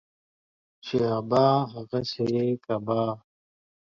چي ابا ، هغه سي يې کبا.